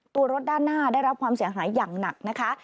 ตัวรถด้านหน้าได้รับความเสียหายอย่างหนักนะคะ